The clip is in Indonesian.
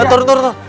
turun turun turun